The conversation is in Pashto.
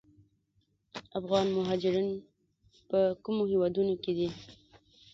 افغان مهاجرین په کومو هیوادونو کې دي؟